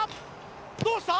どうした？